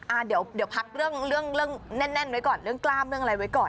อ่าเดี๋ยวพักเรื่องเรื่องแน่นไว้ก่อนเรื่องกล้ามเรื่องอะไรไว้ก่อน